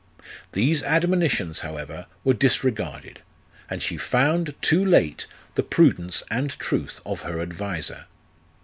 These admonitions, however, were disregarded, and she found, too late, the prudence and truth of her adviser.